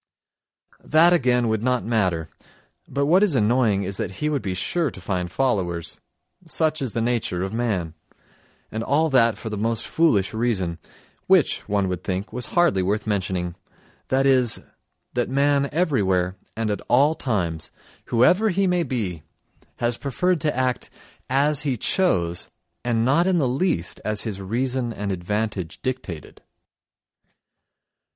That again would not matter, but what is annoying is that he would be sure to find followers—such is the nature of man. And all that for the most foolish reason, which, one would think, was hardly worth mentioning: that is, that man everywhere and at all times, whoever he may be, has preferred to act as he chose and not in the least as his reason and advantage dictated.